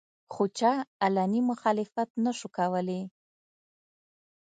خو چا علني مخالفت نشو کولې